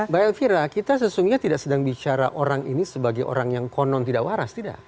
mbak elvira kita sesungguhnya tidak sedang bicara orang ini sebagai orang yang konon tidak waras tidak